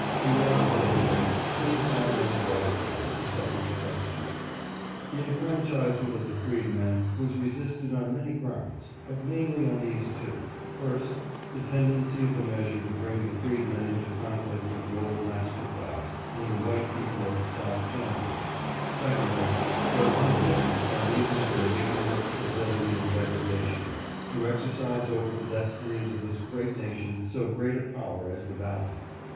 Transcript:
He was at any rate soon found on the right side of the suffrage question. The enfranchisement of the freedmen was resisted on many grounds, but mainly on these two : first, the tendency of the measure to bring the freedmen into conflict with the old master class and the white people of the South generally; secondly, their unfitness, by reason of their ignorance, servility and degradation, to exercise over the destinies of this great nation so great a power as the ballot.